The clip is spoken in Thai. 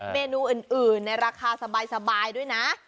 เมนูอื่นในราคาสบายด้วยนะ